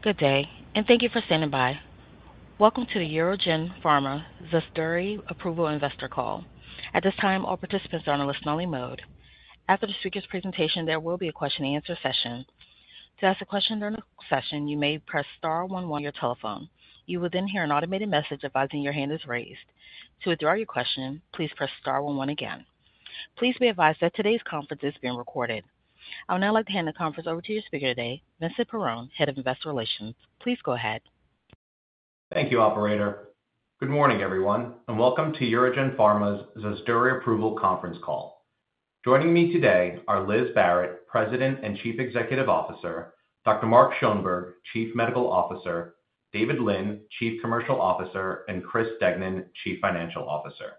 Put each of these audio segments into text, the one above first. Good day, and thank you for standing by. Welcome to the UroGen Pharma ZUSDURI Approval Investor Call. At this time, all participants are on a listen-only mode. After the speaker's presentation, there will be a question-and-answer session. To ask a question during the session, you may press star one one on your telephone. You will then hear an automated message advising your hand is raised. To withdraw your question, please press star one one again. Please be advised that today's conference is being recorded. I would now like to hand the conference over to your speaker today, Vincent Perrone, Head of Investor Relations. Please go ahead. Thank you, Operator. Good morning, everyone, and welcome to UroGen Pharma's ZUSDURI Approval Conference Call. Joining me today are Liz Barrett, President and Chief Executive Officer; Dr. Mark Schoenberg, Chief Medical Officer; David Lin, Chief Commercial Officer; and Chris Degnan, Chief Financial Officer.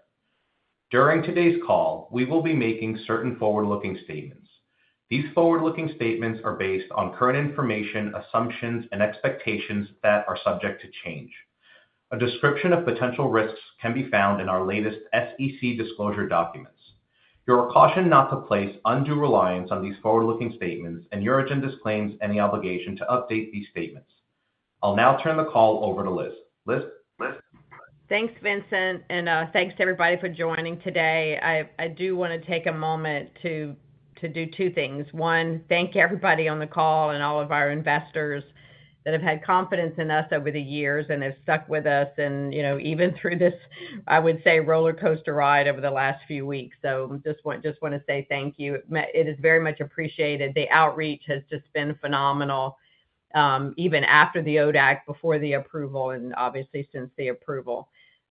During today's call, we will be making certain forward-looking statements. These forward-looking statements are based on current information, assumptions, and expectations that are subject to change. A description of potential risks can be found in our latest SEC disclosure documents. You're cautioned not to place undue reliance on these forward-looking statements, and UroGen disclaims any obligation to update these statements. I'll now turn the call over to Liz. Liz. Thanks, Vincent, and thanks to everybody for joining today. I do want to take a moment to do two things. One, thank everybody on the call and all of our investors that have had confidence in us over the years and have stuck with us, and even through this, I would say, roller coaster ride over the last few weeks. I just want to say thank you. It is very much appreciated. The outreach has just been phenomenal, even after the ODAC, before the approval, and obviously since the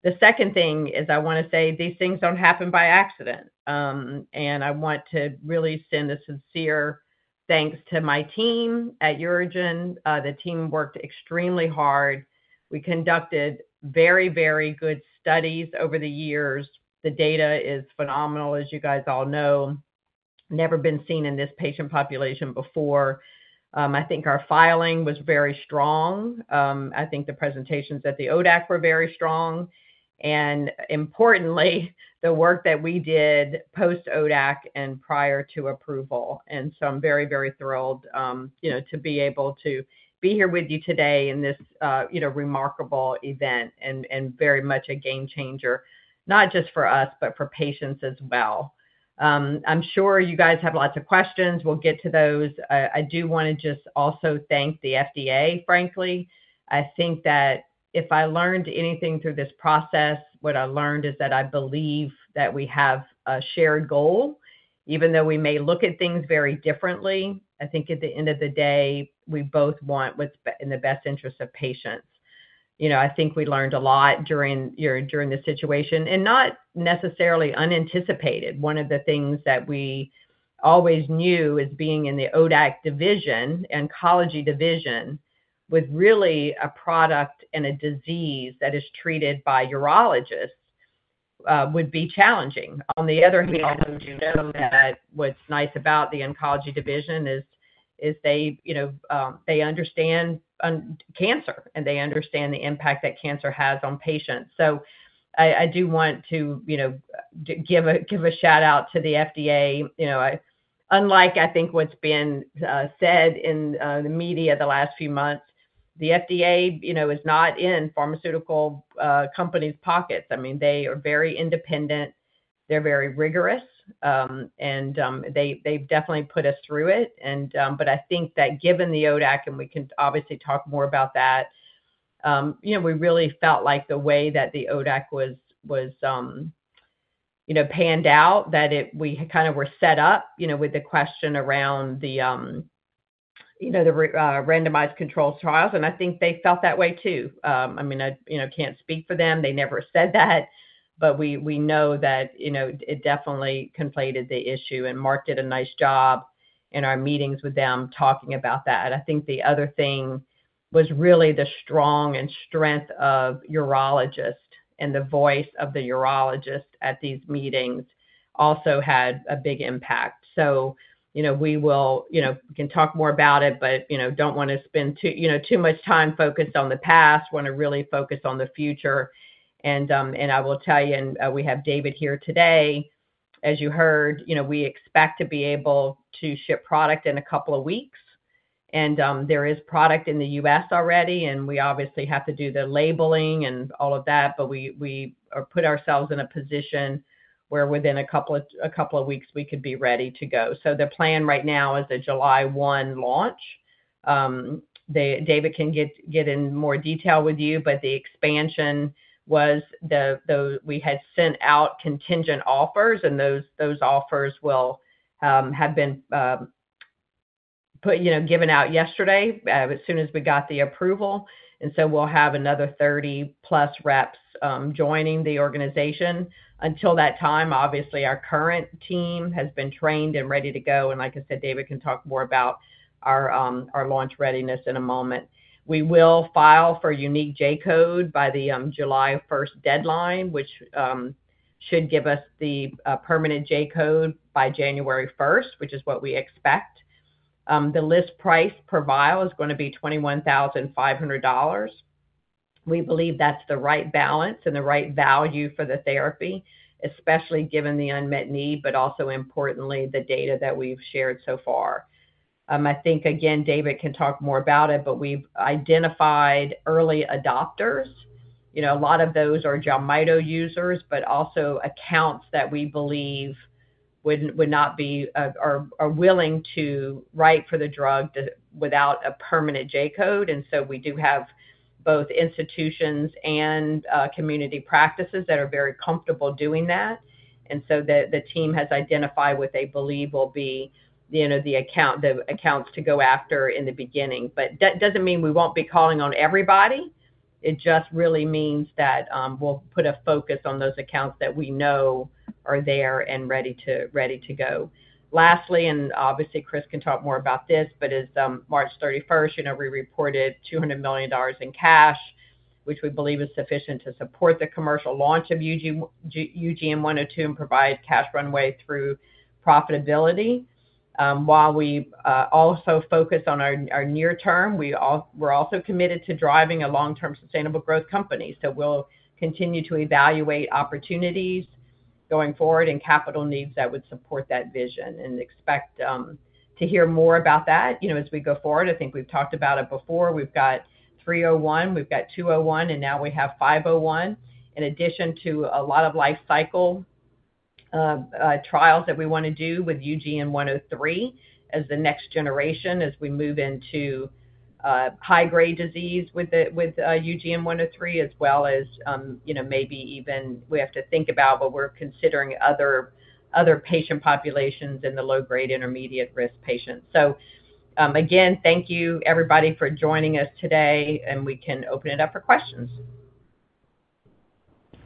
approval. The second thing is I want to say these things do not happen by accident, and I want to really send a sincere thanks to my team at UroGen. The team worked extremely hard. We conducted very, very good studies over the years. The data is phenomenal, as you guys all know. Never been seen in this patient population before. I think our filing was very strong. I think the presentations at the ODAC were very strong. Importantly, the work that we did post-ODAC and prior to approval. I am very, very thrilled to be able to be here with you today in this remarkable event and very much a game changer, not just for us, but for patients as well. I am sure you guys have lots of questions. We will get to those. I do want to just also thank the FDA, frankly. I think that if I learned anything through this process, what I learned is that I believe that we have a shared goal. Even though we may look at things very differently, I think at the end of the day, we both want what is in the best interest of patients. I think we learned a lot during the situation, and not necessarily unanticipated. One of the things that we always knew is being in the ODAC division, Oncology division, with really a product and a disease that is treated by urologists would be challenging. On the other hand, you know that what's nice about the Oncology division is they understand cancer, and they understand the impact that cancer has on patients. I do want to give a shout-out to the FDA. Unlike, I think, what's been said in the media the last few months, the FDA is not in pharmaceutical companies' pockets. I mean, they are very independent. They're very rigorous, and they've definitely put us through it. I think that given the ODAC, and we can obviously talk more about that, we really felt like the way that the ODAC was panned out, that we kind of were set up with the question around the randomized controlled trials. I think they felt that way too. I mean, I can't speak for them. They never said that, but we know that it definitely conflated the issue and Mark did a nice job in our meetings with them talking about that. I think the other thing was really the strength of urologists and the voice of the urologists at these meetings also had a big impact. We can talk more about it, but don't want to spend too much time focused on the past. Want to really focus on the future. I will tell you, and we have David here today. As you heard, we expect to be able to ship product in a couple of weeks. There is product in the U.S. already, and we obviously have to do the labeling and all of that, but we put ourselves in a position where within a couple of weeks, we could be ready to go. The plan right now is a July 1 launch. David can get in more detail with you, but the expansion was we had sent out contingent offers, and those offers will have been given out yesterday as soon as we got the approval. We will have another 30-plus reps joining the organization. Until that time, obviously, our current team has been trained and ready to go. Like I said, David can talk more about our launch readiness in a moment. We will file for unique J code by the July 1st deadline, which should give us the permanent J code by January 1st, which is what we expect. The list price per vial is going to be $21,500. We believe that's the right balance and the right value for the therapy, especially given the unmet need, but also importantly, the data that we've shared so far. I think, again, David can talk more about it, but we've identified early adopters. A lot of those are JELMYTO users, but also accounts that we believe would not be or are willing to write for the drug without a permanent J code. We do have both institutions and community practices that are very comfortable doing that. The team has identified what they believe will be the accounts to go after in the beginning. That doesn't mean we won't be calling on everybody. It just really means that we'll put a focus on those accounts that we know are there and ready to go. Lastly, and obviously, Chris can talk more about this, but it's March 31st. We reported $200 million in cash, which we believe is sufficient to support the commercial launch of UGN-102 and provide cash runway through profitability. While we also focus on our near term, we're also committed to driving a long-term sustainable growth company. We will continue to evaluate opportunities going forward and capital needs that would support that vision. Expect to hear more about that as we go forward. I think we've talked about it before. We've got 301, we've got 201, and now we have 501. In addition to a lot of life cycle trials that we want to do with UGN-103 as the next generation, as we move into high-grade disease with UGN-103, as well as maybe even we have to think about what we're considering other patient populations in the low-grade, intermediate-risk patients. Again, thank you, everybody, for joining us today, and we can open it up for questions.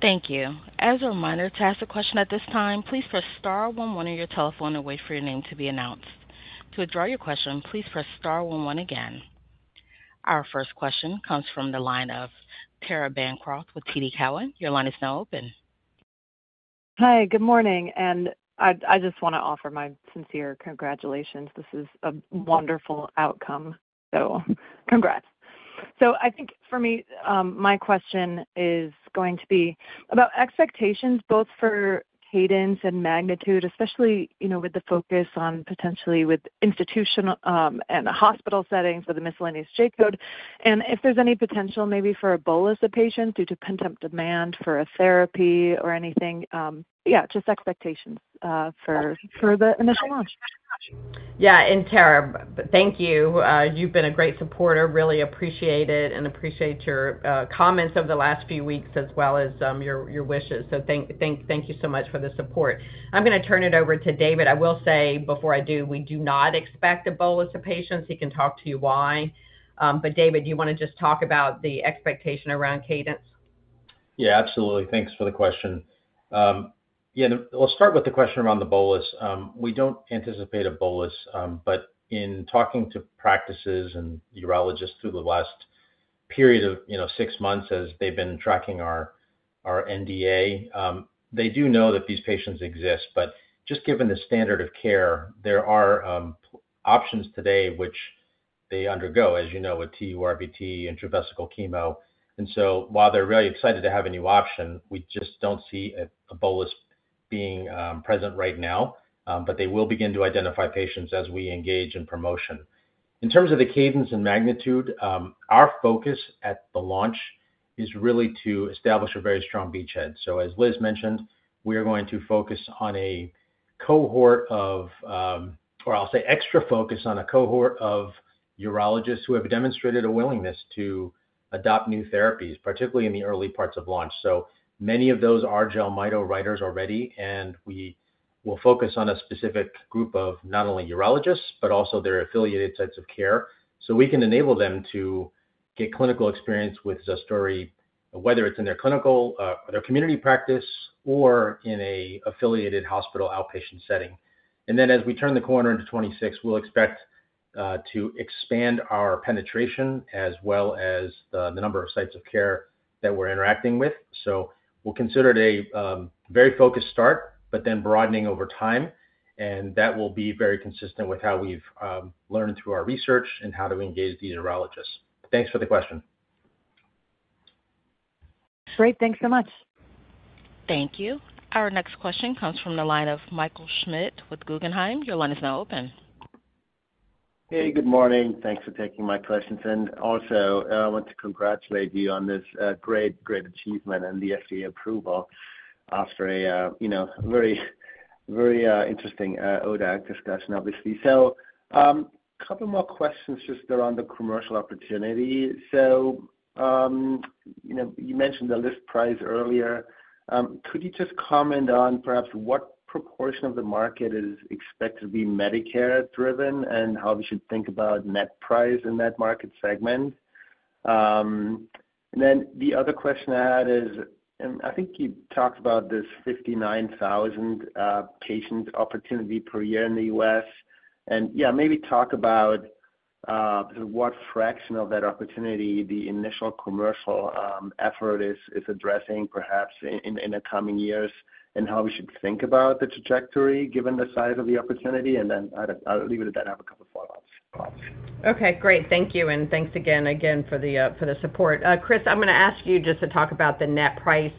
Thank you. As a reminder to ask a question at this time, please press star one one on your telephone and wait for your name to be announced. To withdraw your question, please press star one one again. Our first question comes from the line of Tara Bancroft with TD Cowen. Your line is now open. Hi, good morning. I just want to offer my sincere congratulations. This is a wonderful outcome, so congrats. I think for me, my question is going to be about expectations, both for cadence and magnitude, especially with the focus on potentially with institutional and hospital settings for the miscellaneous J code. If there's any potential maybe for a bolus as a patient due to pent-up demand for a therapy or anything, yeah, just expectations for the initial launch. Yeah, and Tara, thank you. You've been a great supporter. Really appreciate it and appreciate your comments over the last few weeks as well as your wishes. Thank you so much for the support. I'm going to turn it over to David. I will say before I do, we do not expect Ebola as a patient. He can talk to you why. David, do you want to just talk about the expectation around cadence? Yeah, absolutely. Thanks for the question. Yeah, we'll start with the question around the bolus. We don't anticipate a bolus, but in talking to practices and urologists through the last period of six months as they've been tracking our NDA, they do know that these patients exist. Just given the standard of care, there are options today which they undergo, as you know, with TURBT, intravesical chemo. While they're really excited to have a new option, we just don't see a bolus being present right now, but they will begin to identify patients as we engage in promotion. In terms of the cadence and magnitude, our focus at the launch is really to establish a very strong beachhead. As Liz mentioned, we are going to focus on a cohort of, or I'll say extra focus on a cohort of urologists who have demonstrated a willingness to adopt new therapies, particularly in the early parts of launch. Many of those are JELMYTO writers already, and we will focus on a specific group of not only urologists, but also their affiliated sites of care. We can enable them to get clinical experience with ZUSDURI, whether it's in their clinical, their community practice, or in an affiliated hospital outpatient setting. As we turn the corner into 2026, we'll expect to expand our penetration as well as the number of sites of care that we're interacting with. We'll consider it a very focused start, but then broadening over time, and that will be very consistent with how we've learned through our research and how to engage these urologists. Thanks for the question. Great. Thanks so much. Thank you. Our next question comes from the line of Michael Schmidt with Guggenheim. Your line is now open. Hey, good morning. Thanks for taking my questions. I want to congratulate you on this great, great achievement and the FDA approval after a very, very interesting ODAC discussion, obviously. A couple more questions just around the commercial opportunity. You mentioned the list price earlier. Could you just comment on perhaps what proportion of the market is expected to be Medicare-driven and how we should think about net price in that market segment? The other question I had is, I think you talked about this 59,000 patient opportunity per year in the U.S.. Maybe talk about what fraction of that opportunity the initial commercial effort is addressing perhaps in the coming years and how we should think about the trajectory given the size of the opportunity. I'll leave it at that. I have a couple of follow-ups. Okay, great. Thank you. And thanks again for the support. Chris, I'm going to ask you just to talk about the net price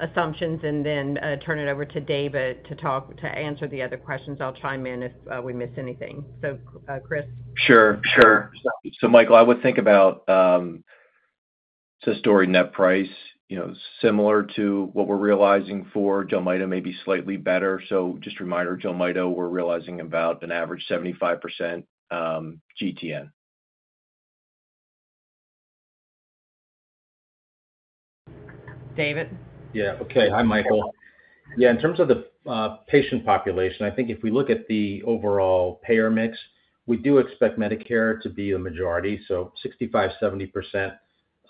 assumptions and then turn it over to David to answer the other questions. I'll chime in if we miss anything. So Chris. Sure. Sure. Michael, I would think about ZUSDURI net price similar to what we are realizing for JELMYTO, maybe slightly better. Just a reminder, JELMYTO, we are realizing about an average 75% GTN. David. Yeah. Okay. Hi, Michael. Yeah, in terms of the patient population, I think if we look at the overall payer mix, we do expect Medicare to be the majority. So 65%-70%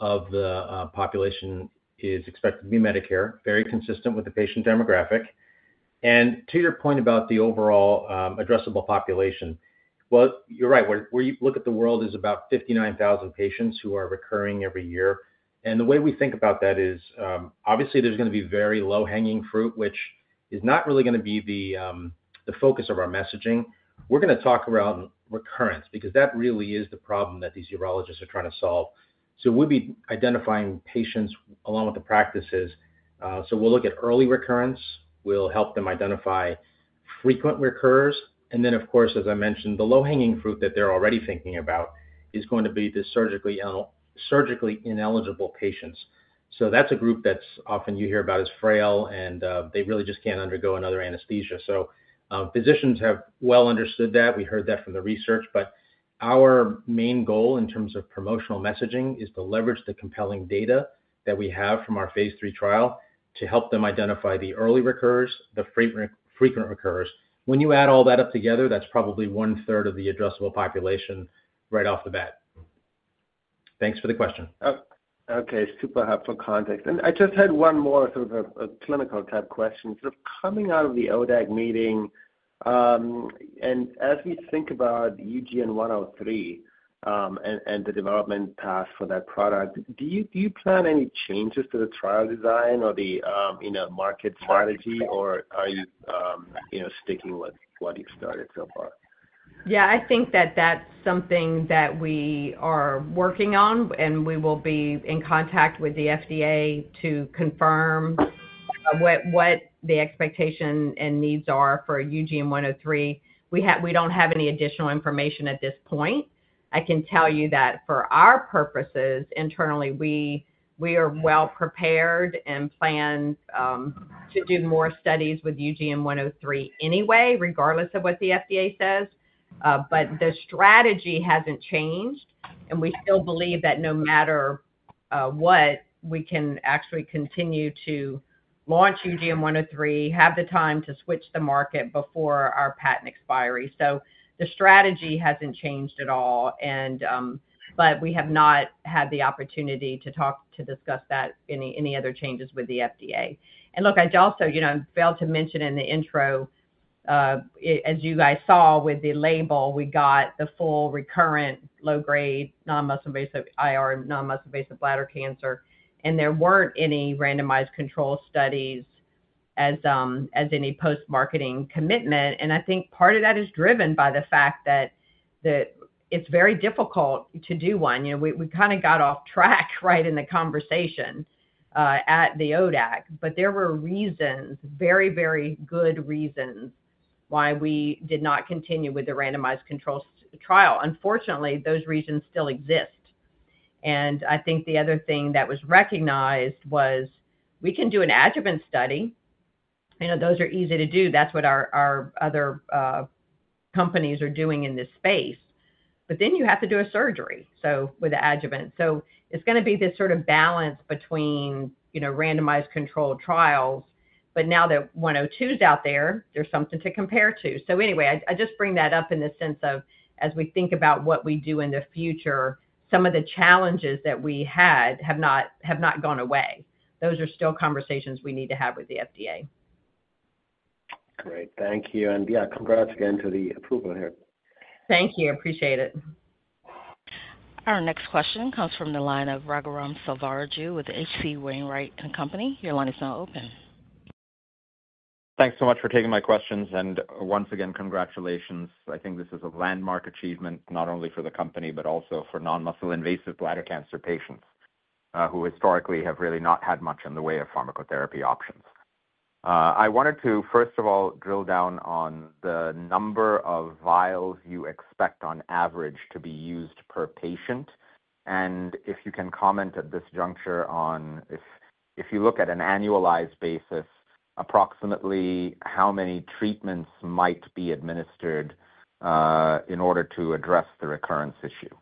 of the population is expected to be Medicare, very consistent with the patient demographic. To your point about the overall addressable population, you're right. Where you look at the world is about 59,000 patients who are recurring every year. The way we think about that is obviously there's going to be very low hanging fruit, which is not really going to be the focus of our messaging. We're going to talk about recurrence because that really is the problem that these urologists are trying to solve. We'll be identifying patients along with the practices. We'll look at early recurrence. We'll help them identify frequent recurs. Of course, as I mentioned, the low hanging fruit that they're already thinking about is going to be the surgically ineligible patients. That's a group that's often you hear about as frail, and they really just can't undergo another anesthesia. Physicians have well understood that. We heard that from the research. Our main goal in terms of promotional messaging is to leverage the compelling data that we have from our phase three trial to help them identify the early recurs, the frequent recurs. When you add all that up together, that's probably one-third of the addressable population right off the bat. Thanks for the question. Okay. Super helpful context. I just had one more sort of a clinical type question. Sort of coming out of the ODAC meeting, and as we think about UGN-103 and the development path for that product, do you plan any changes to the trial design or the market strategy, or are you sticking with what you've started so far? Yeah, I think that that's something that we are working on, and we will be in contact with the FDA to confirm what the expectation and needs are for UGN-103. We don't have any additional information at this point. I can tell you that for our purposes internally, we are well prepared and plan to do more studies with UGN-103 anyway, regardless of what the FDA says. The strategy hasn't changed, and we still believe that no matter what, we can actually continue to launch UGN-103, have the time to switch the market before our patent expiry. The strategy hasn't changed at all, but we have not had the opportunity to discuss any other changes with the FDA. Look, I also failed to mention in the intro, as you guys saw with the label, we got the full recurrent low-grade non-muscle-based IR non-muscle-based bladder cancer, and there were not any randomized control studies as any post-marketing commitment. I think part of that is driven by the fact that it is very difficult to do one. We kind of got off track right in the conversation at the ODAC, but there were reasons, very, very good reasons why we did not continue with the randomized control trial. Unfortunately, those reasons still exist. I think the other thing that was recognized was we can do an adjuvant study. Those are easy to do. That is what our other companies are doing in this space. Then you have to do a surgery with the adjuvant. It's going to be this sort of balance between randomized control trials, but now that UGN-102 is out there, there's something to compare to. Anyway, I just bring that up in the sense of as we think about what we do in the future, some of the challenges that we had have not gone away. Those are still conversations we need to have with the FDA. Great. Thank you. Yeah, congrats again to the approval here. Thank you. Appreciate it. Our next question comes from the line of Raghuram Selvaraju with H.C. Wainwright & Co. Your line is now open. Thanks so much for taking my questions. Once again, congratulations. I think this is a landmark achievement not only for the company, but also for non-muscle-invasive bladder cancer patients who historically have really not had much in the way of pharmacotherapy options. I wanted to, first of all, drill down on the number of vials you expect on average to be used per patient. If you can comment at this juncture on if you look at an annualized basis, approximately how many treatments might be administered in order to address the recurrence issue?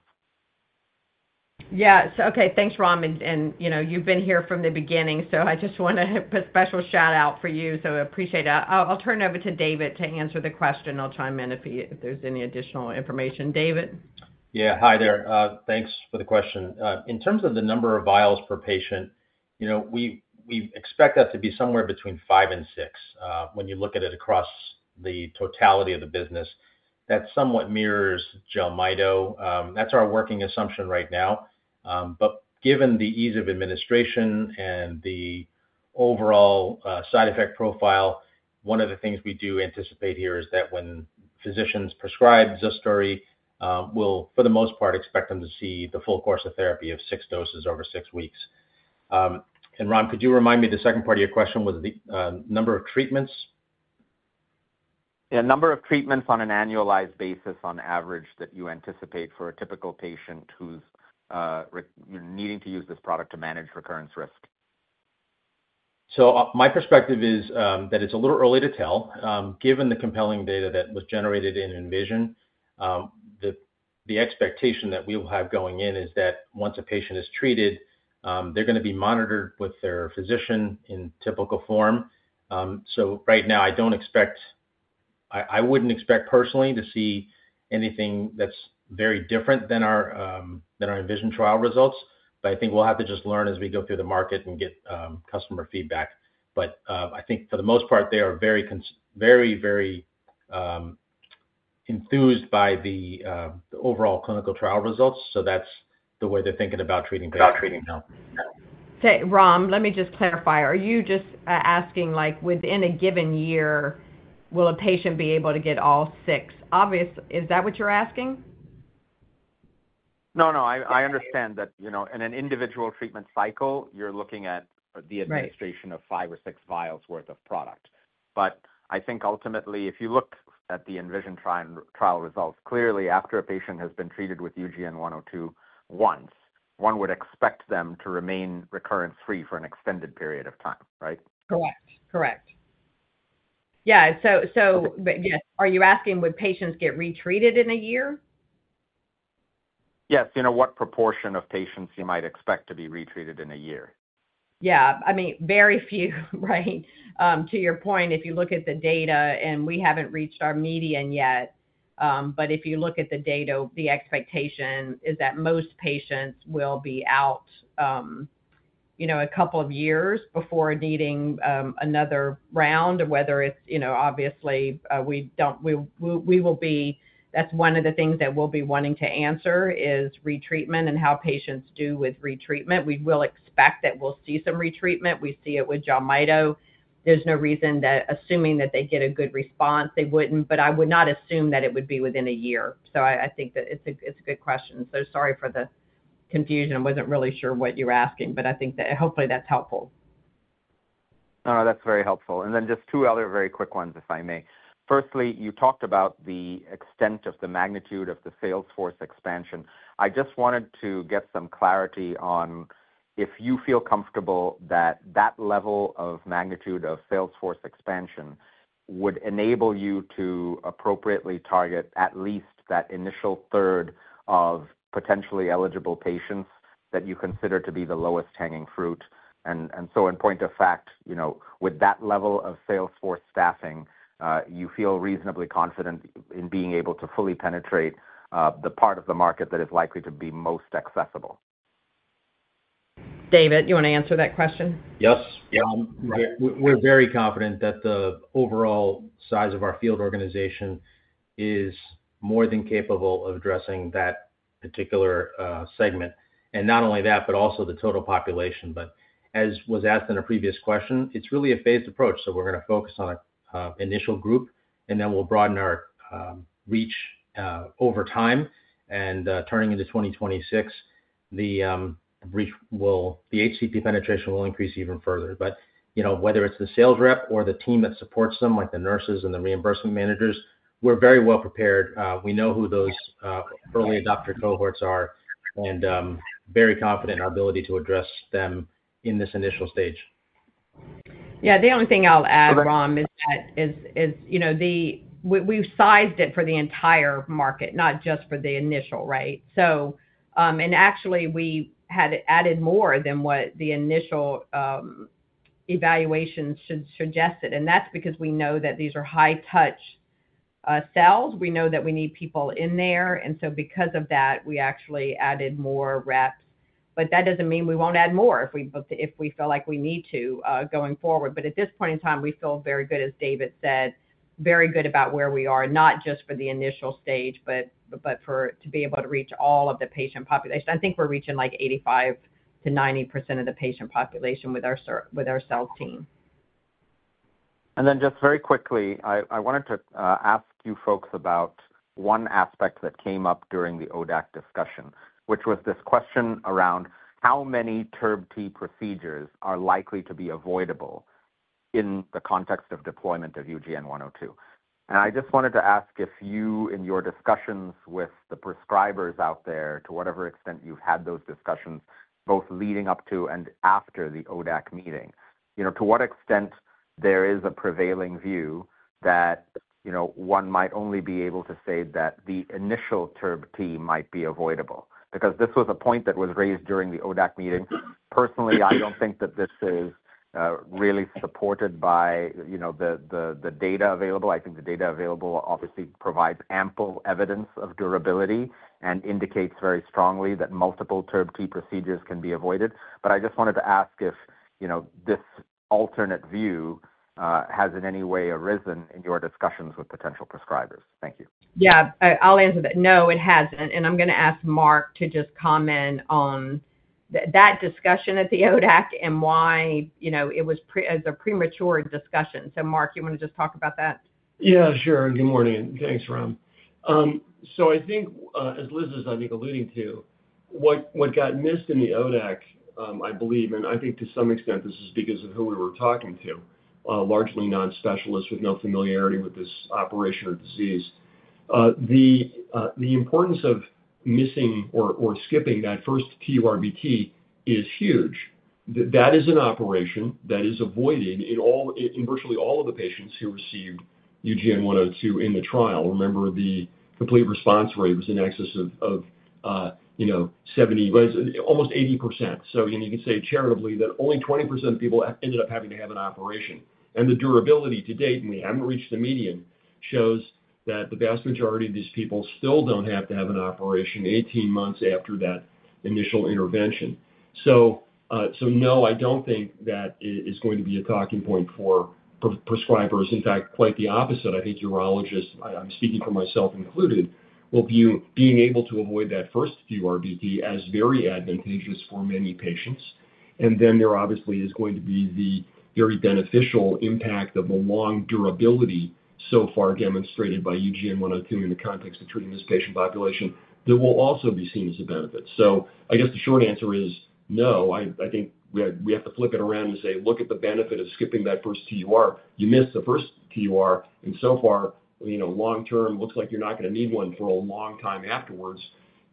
Yeah. Okay. Thanks, Ram. And you've been here from the beginning, so I just want to put a special shout-out for you. I appreciate it. I'll turn it over to David to answer the question. I'll chime in if there's any additional information. David. Yeah. Hi there. Thanks for the question. In terms of the number of vials per patient, we expect that to be somewhere between five and six when you look at it across the totality of the business. That somewhat mirrors JELMYTO. That's our working assumption right now. Given the ease of administration and the overall side effect profile, one of the things we do anticipate here is that when physicians prescribe ZUSDURI, we'll, for the most part, expect them to see the full course of therapy of six doses over six weeks. Ram, could you remind me the second part of your question was the number of treatments? Yeah. Number of treatments on an annualized basis on average that you anticipate for a typical patient who's needing to use this product to manage recurrence risk? My perspective is that it's a little early to tell. Given the compelling data that was generated in ENVISION, the expectation that we will have going in is that once a patient is treated, they're going to be monitored with their physician in typical form. Right now, I don't expect, I wouldn't expect personally, to see anything that's very different than our ENVISION trial results. I think we'll have to just learn as we go through the market and get customer feedback. I think for the most part, they are very, very enthused by the overall clinical trial results. That's the way they're thinking about treating patients. About treating patients. Okay. Ram, let me just clarify. Are you just asking within a given year, will a patient be able to get all six? Is that what you're asking? No, no. I understand that in an individual treatment cycle, you're looking at the administration of five or six vials' worth of product. I think ultimately, if you look at the ENVISION trial results, clearly after a patient has been treated with UGN-102 once, one would expect them to remain recurrence-free for an extended period of time, right? Correct. Yeah. So yes, are you asking would patients get retreated in a year? Yes. What proportion of patients you might expect to be retreated in a year? Yeah. I mean, very few, right? To your point, if you look at the data, and we haven't reached our median yet, but if you look at the data, the expectation is that most patients will be out a couple of years before needing another round, whether it's obviously we will be that's one of the things that we'll be wanting to answer is retreatment and how patients do with retreatment. We will expect that we'll see some retreatment. We see it with JELMYTO. There's no reason that assuming that they get a good response, they wouldn't, but I would not assume that it would be within a year. I think that it's a good question. Sorry for the confusion. I wasn't really sure what you were asking, but I think that hopefully that's helpful. No, that's very helpful. Then just two other very quick ones, if I may. Firstly, you talked about the extent of the magnitude of the sales force expansion. I just wanted to get some clarity on if you feel comfortable that that level of magnitude of sales force expansion would enable you to appropriately target at least that initial third of potentially eligible patients that you consider to be the lowest hanging fruit. In point of fact, with that level of sales force staffing, you feel reasonably confident in being able to fully penetrate the part of the market that is likely to be most accessible? David, you want to answer that question? Yes. Yeah. We're very confident that the overall size of our field organization is more than capable of addressing that particular segment. Not only that, but also the total population. As was asked in a previous question, it's really a phased approach. We're going to focus on an initial group, and then we'll broaden our reach over time. Turning into 2026, the HCP penetration will increase even further. Whether it's the sales rep or the team that supports them, like the nurses and the reimbursement managers, we're very well prepared. We know who those early adopter cohorts are and very confident in our ability to address them in this initial stage. Yeah. The only thing I'll add, Ram, is that we've sized it for the entire market, not just for the initial, right? Actually, we had added more than what the initial evaluation suggested. That's because we know that these are high-touch cells. We know that we need people in there. Because of that, we actually added more reps. That doesn't mean we won't add more if we feel like we need to going forward. At this point in time, we feel very good, as David said, very good about where we are, not just for the initial stage, but to be able to reach all of the patient population. I think we're reaching like 85%-90% of the patient population with our sales team. Just very quickly, I wanted to ask you folks about one aspect that came up during the ODAC discussion, which was this question around how many TURBT procedures are likely to be avoidable in the context of deployment of UGN-102. I just wanted to ask if you, in your discussions with the prescribers out there, to whatever extent you've had those discussions both leading up to and after the ODAC meeting, to what extent there is a prevailing view that one might only be able to say that the initial TURBT might be avoidable. This was a point that was raised during the ODAC meeting. Personally, I do not think that this is really supported by the data available. I think the data available obviously provides ample evidence of durability and indicates very strongly that multiple TURBT procedures can be avoided. I just wanted to ask if this alternate view has in any way arisen in your discussions with potential prescribers. Thank you. Yeah. I'll answer that. No, it hasn't. I'm going to ask Mark to just comment on that discussion at the ODAC and why it was a premature discussion. Mark, you want to just talk about that? Yeah. Sure. Good morning. Thanks, Ram. I think, as Liz is, I think, alluding to, what got missed in the ODAC, I believe, and I think to some extent this is because of who we were talking to, largely non-specialists with no familiarity with this operation or disease, the importance of missing or skipping that first TURBT is huge. That is an operation that is avoided in virtually all of the patients who received UGN-102 in the trial. Remember the complete response rate was in excess of almost 80%. You can say charitably that only 20% of people ended up having to have an operation. The durability to date, and we have not reached the median, shows that the vast majority of these people still do not have to have an operation 18 months after that initial intervention. No, I don't think that is going to be a talking point for prescribers. In fact, quite the opposite. I think urologists, I'm speaking for myself included, will view being able to avoid that first TURBT as very advantageous for many patients. There obviously is going to be the very beneficial impact of the long durability so far demonstrated by UGN-102 in the context of treating this patient population that will also be seen as a benefit. I guess the short answer is no. I think we have to flip it around and say, "Look at the benefit of skipping that first TUR. You missed the first TUR, and so far, long-term, it looks like you're not going to need one for a long time afterwards.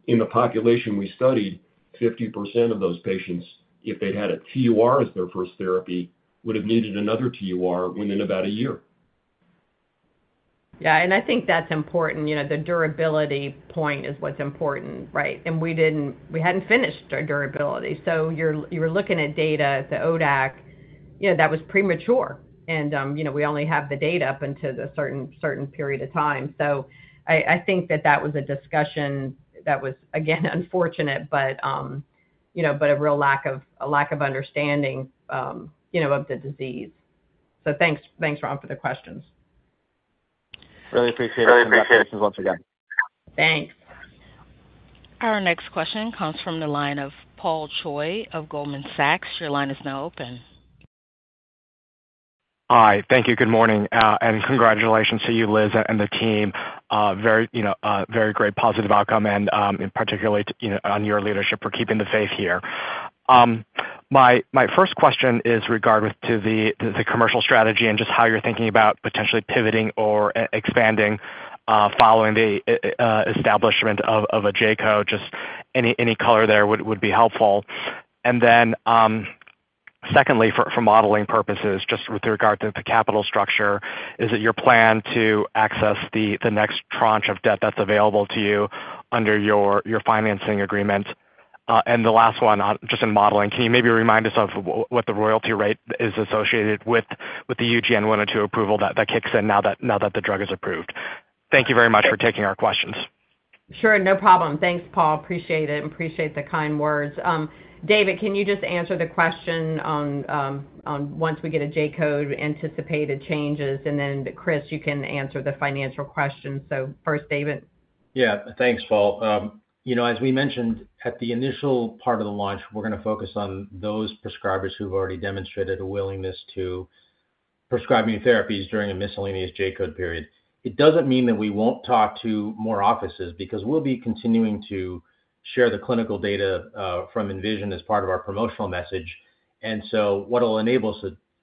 In the population we studied, 50% of those patients, if they'd had a TUR as their first therapy, would have needed another TUR within about a year. Yeah. I think that's important. The durability point is what's important, right? We hadn't finished our durability. You were looking at data at the ODAC that was premature, and we only have the data up until a certain period of time. I think that that was a discussion that was, again, unfortunate, but a real lack of understanding of the disease. Thanks, Ram, for the questions. Really appreciate it. Thanks for your patience once again. Thanks. Our next question comes from the line of Paul Choi of Goldman Sachs. Your line is now open. Hi. Thank you. Good morning. Congratulations to you, Liz, and the team. Very great positive outcome, and particularly on your leadership for keeping the faith here. My first question is regarding the commercial strategy and just how you're thinking about potentially pivoting or expanding following the establishment of a J code. Just any color there would be helpful. Secondly, for modeling purposes, just with regard to the capital structure, is it your plan to access the next tranche of debt that's available to you under your financing agreement? The last one, just in modeling, can you maybe remind us of what the royalty rate is associated with the UGN-102 approval that kicks in now that the drug is approved? Thank you very much for taking our questions. Sure. No problem. Thanks, Paul. Appreciate it. Appreciate the kind words. David, can you just answer the question on once we get a J code anticipated changes? And then Chris, you can answer the financial question. So first, David. Yeah. Thanks, Paul. As we mentioned, at the initial part of the launch, we're going to focus on those prescribers who've already demonstrated a willingness to prescribe new therapies during a miscellaneous J code period. It doesn't mean that we won't talk to more offices because we'll be continuing to share the clinical data from ENVISION as part of our promotional message.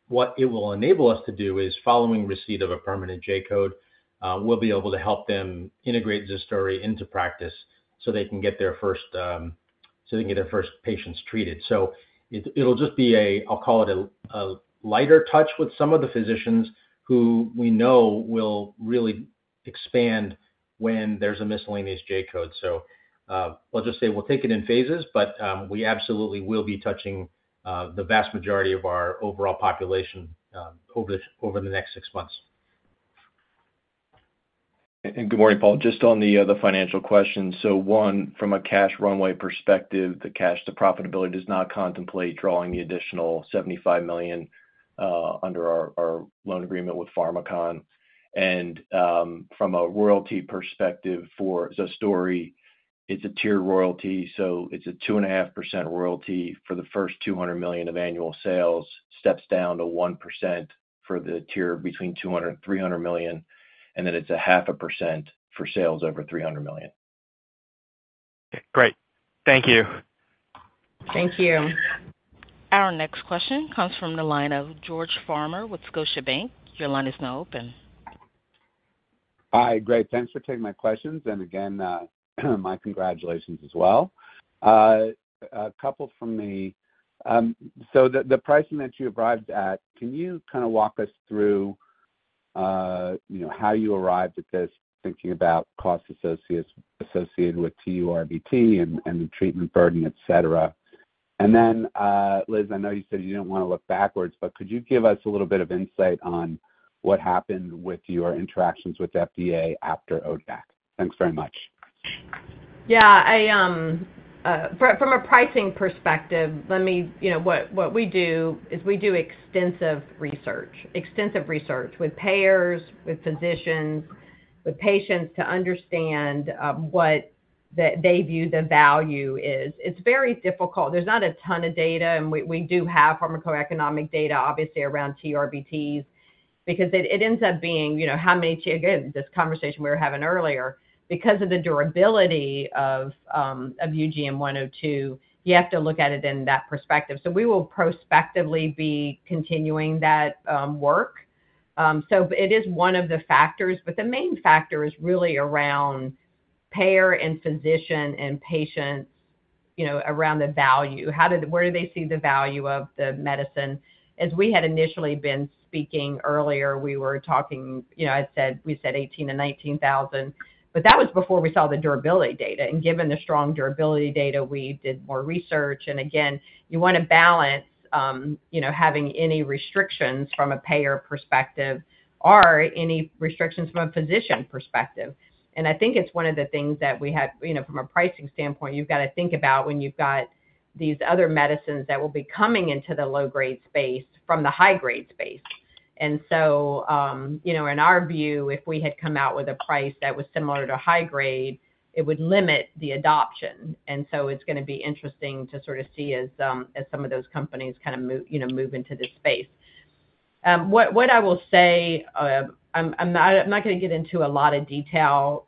What it will enable us to do is, following receipt of a permanent J code, we'll be able to help them integrate ZUSDURI into practice so they can get their first patients treated. It'll just be a, I'll call it a lighter touch with some of the physicians who we know will really expand when there's a miscellaneous J code. I'll just say we'll take it in phases, but we absolutely will be touching the vast majority of our overall population over the next six months. Good morning, Paul. Just on the financial questions. One, from a cash runway perspective, the cash to profitability does not contemplate drawing the additional $75 million under our loan agreement with Pharmakon. From a royalty perspective for ZUSDURI, it's a tiered royalty. It's a 2.5% royalty for the first $200 million of annual sales, steps down to one percent for the tier between $200 million and $300 million, and then it's a half a percent for sales over $300 million. Okay. Great. Thank you. Thank you. Our next question comes from the line of George Farmer with Scotiabank. Your line is now open. Hi. Great. Thanks for taking my questions. Again, my congratulations as well. A couple from me. The pricing that you arrived at, can you kind of walk us through how you arrived at this, thinking about costs associated with TURBT and the treatment burden, etc.? Liz, I know you said you did not want to look backwards, but could you give us a little bit of insight on what happened with your interactions with FDA after ODAC? Thanks very much. Yeah. From a pricing perspective, what we do is we do extensive research, extensive research with payers, with physicians, with patients to understand what they view the value is. It's very difficult. There's not a ton of data, and we do have pharmacoeconomic data, obviously, around TURBTs because it ends up being how many—again, this conversation we were having earlier, because of the durability of UGN-102, you have to look at it in that perspective. We will prospectively be continuing that work. It is one of the factors, but the main factor is really around payer and physician and patients around the value. Where do they see the value of the medicine? As we had initially been speaking earlier, we were talking—we said $18,000 and $19,000, but that was before we saw the durability data. Given the strong durability data, we did more research. You want to balance having any restrictions from a payer perspective or any restrictions from a physician perspective. I think it is one of the things that we have from a pricing standpoint, you have to think about when you have these other medicines that will be coming into the low-grade space from the high-grade space. In our view, if we had come out with a price that was similar to high-grade, it would limit the adoption. It is going to be interesting to sort of see as some of those companies kind of move into this space. What I will say, I am not going to get into a lot of detail,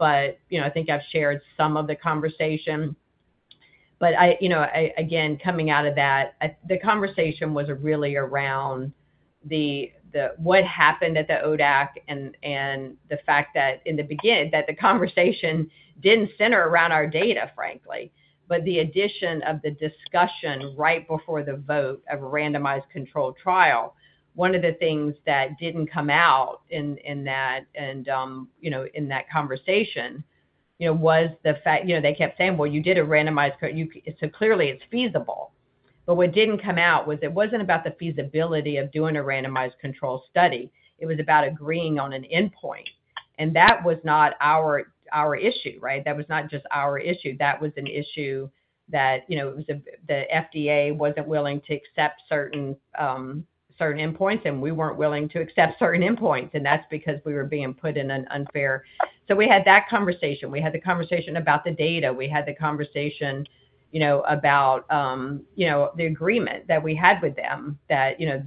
but I think I have shared some of the conversation. Again, coming out of that, the conversation was really around what happened at the ODAC and the fact that in the beginning, the conversation did not center around our data, frankly. The addition of the discussion right before the vote of a randomized controlled trial, one of the things that did not come out in that and in that conversation was the fact they kept saying, "Well, you did a randomized—so clearly it is feasible." What did not come out was it was not about the feasibility of doing a randomized controlled study. It was about agreeing on an endpoint. That was not our issue, right? That was not just our issue. That was an issue that the FDA was not willing to accept certain endpoints, and we were not willing to accept certain endpoints. That is because we were being put in an unfair—so we had that conversation. We had the conversation about the data. We had the conversation about the agreement that we had with them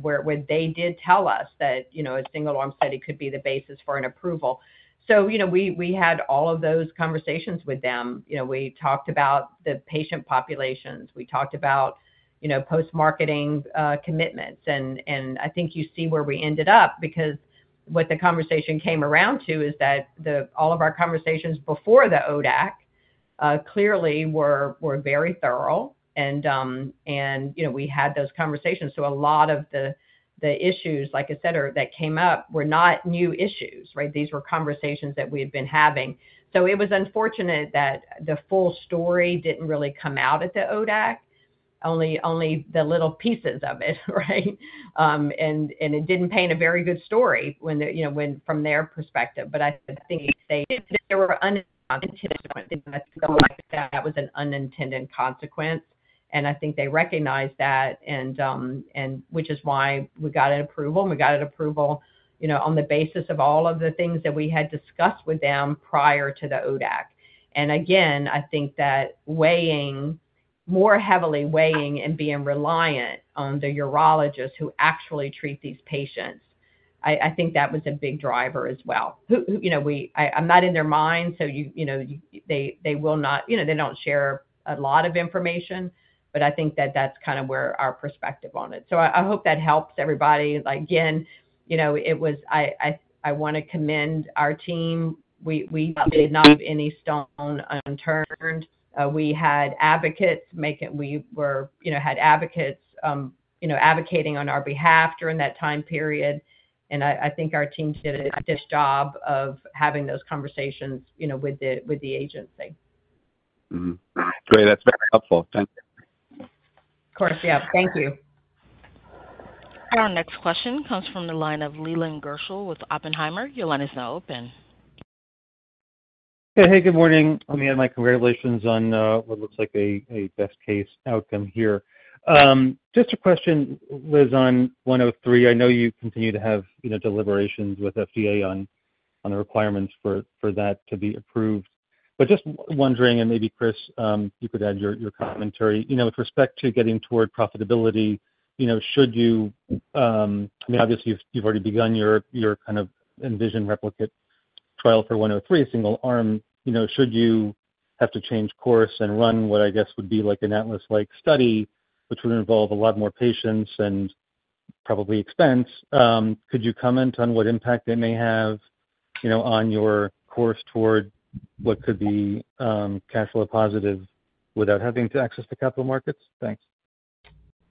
where they did tell us that a single-arm study could be the basis for an approval. We had all of those conversations with them. We talked about the patient populations. We talked about post-marketing commitments. I think you see where we ended up because what the conversation came around to is that all of our conversations before the ODAC clearly were very thorough, and we had those conversations. A lot of the issues, like I said, that came up were not new issues, right? These were conversations that we had been having. It was unfortunate that the full story did not really come out at the ODAC, only the little pieces of it, right? It did not paint a very good story from their perspective. I think they said there were unintended consequences. I feel like that was an unintended consequence. I think they recognized that, which is why we got an approval. We got an approval on the basis of all of the things that we had discussed with them prior to the ODAC. Again, I think that weighing more heavily, weighing and being reliant on the urologists who actually treat these patients, I think that was a big driver as well. I'm not in their mind, so they will not—they do not share a lot of information, but I think that that's kind of where our perspective on it is. I hope that helps everybody. Again, I want to commend our team. We did not have any stone unturned. We had advocates. We had advocates advocating on our behalf during that time period. I think our team did a fantastic job of having those conversations with the agency. Great. That's very helpful. Thank you. Of course. Yeah. Thank you. Our next question comes from the line of Leland Gershell with Oppenheimer. Your line is now open. Hey. Hey. Good morning. Let me add my congratulations on what looks like a best-case outcome here. Just a question, Liz, on UGN-103. I know you continue to have deliberations with FDA on the requirements for that to be approved. Just wondering, and maybe Chris, you could add your commentary. With respect to getting toward profitability, should you—I mean, obviously, you've already begun your kind of ENVISION replicate trial for UGN-103, single-arm. Should you have to change course and run what I guess would be like an Atlas-like study, which would involve a lot more patients and probably expense? Could you comment on what impact it may have on your course toward what could be cash flow positive without having to access the capital markets? Thanks.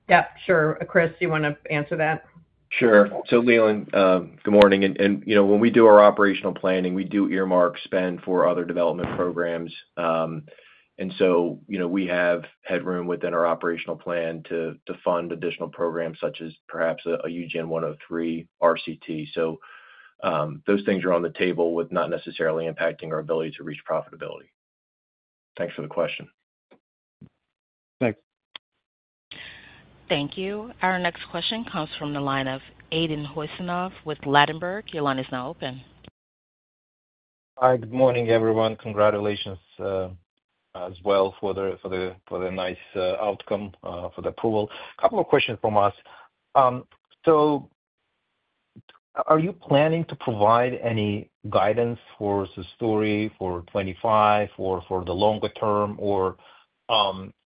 Yeah. Sure. Chris, do you want to answer that? Sure. Leland, good morning. When we do our operational planning, we do earmark spend for other development programs. We have headroom within our operational plan to fund additional programs such as perhaps a UGN-103 RCT. Those things are on the table with not necessarily impacting our ability to reach profitability. Thanks for the question. Thanks. Thank you. Our next question comes from the line of Aydin Huseynov with Ladenburg. Your line is now open. Hi. Good morning, everyone. Congratulations as well for the nice outcome, for the approval. A couple of questions from us. Are you planning to provide any guidance for ZUSDURI for 2025 or for the longer term?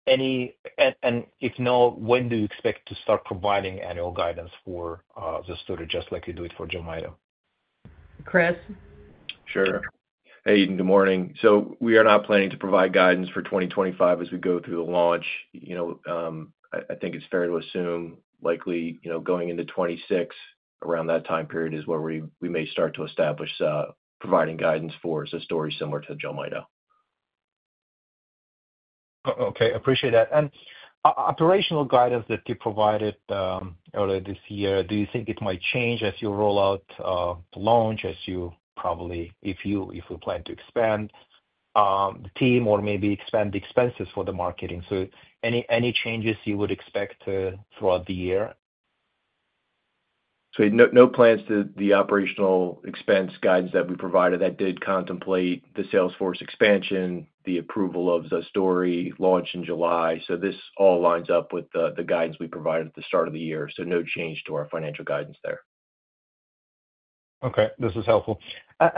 If no, when do you expect to start providing annual guidance for ZUSDURI just like you do it for JELMYTO? Chris? Sure. Aiden, good morning. We are not planning to provide guidance for 2025 as we go through the launch. I think it is fair to assume likely going into 2026, around that time period is where we may start to establish providing guidance for ZUSDURI similar to JELMYTO. Okay. Appreciate that. The operational guidance that you provided earlier this year, do you think it might change as you roll out the launch as you probably, if you plan to expand the team or maybe expand the expenses for the marketing? Any changes you would expect throughout the year? No plans to the operational expense guidance that we provided that did contemplate the sales force expansion, the approval of ZUSDURI launched in July. This all lines up with the guidance we provided at the start of the year. No change to our financial guidance there. Okay. This is helpful.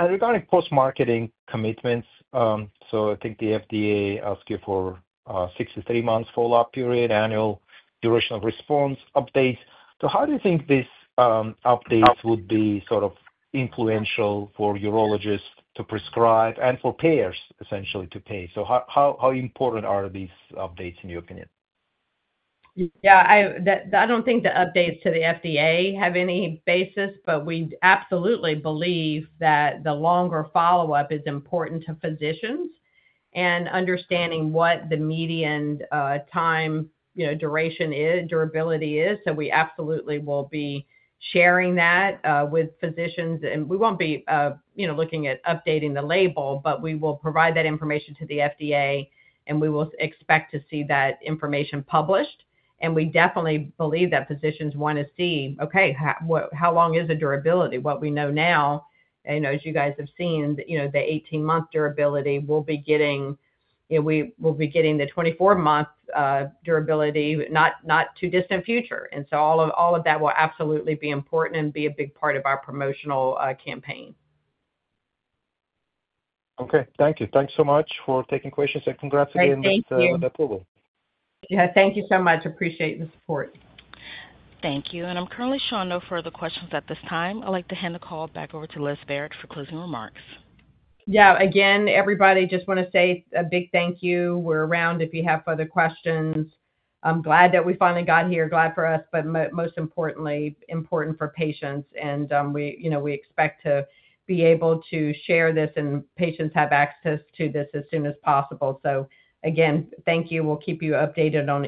Regarding post-marketing commitments, I think the FDA asked you for a 63-month follow-up period, annual duration of response updates. How do you think these updates would be sort of influential for urologists to prescribe and for payers, essentially, to pay? How important are these updates in your opinion? Yeah. I do not think the updates to the FDA have any basis, but we absolutely believe that the longer follow-up is important to physicians and understanding what the median time duration durability is. We absolutely will be sharing that with physicians. We will not be looking at updating the label, but we will provide that information to the FDA, and we will expect to see that information published. We definitely believe that physicians want to see, "Okay. How long is the durability?" What we know now, as you guys have seen, the 18-month durability, we will be getting the 24-month durability, not too distant future. All of that will absolutely be important and be a big part of our promotional campaign. Okay. Thank you. Thanks so much for taking questions. Congrats again with the approval. Thank you. Yeah, thank you so much. Appreciate the support. Thank you. I'm currently showing no further questions at this time. I'd like to hand the call back over to Liz Barrett for closing remarks. Yeah. Again, everybody, just want to say a big thank you. We're around if you have further questions. I'm glad that we finally got here. Glad for us, but most importantly, important for patients. We expect to be able to share this and patients have access to this as soon as possible. Again, thank you. We'll keep you updated on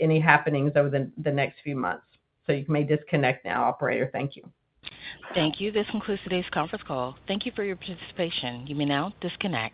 any happenings over the next few months. You may disconnect now, operator. Thank you. Thank you. This concludes today's conference call. Thank you for your participation. You may now disconnect.